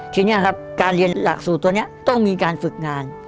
ทีนี้ครับการเรียนหลักสูตรตัวนี้ต้องมีการฝึกงาน